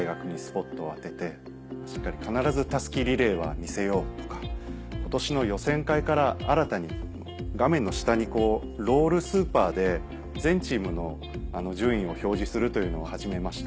しっかり必ず襷リレーは見せようとか今年の予選会から新たに画面の下にロールスーパーで全チームの順位を表示するというのを始めました。